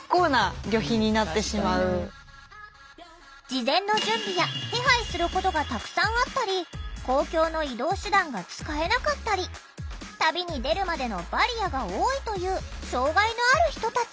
事前の準備や手配することがたくさんあったり公共の移動手段が使えなかったり旅に出るまでのバリアが多いという障害のある人たち。